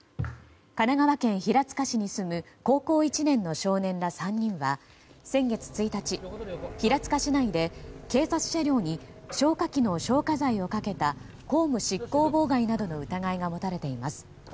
神奈川県平塚市に住む高校１年の少年ら３人は先月１日、平塚市内で警察車両に消火器の消火剤をかけた公務執行妨害などの疑いが持たれています。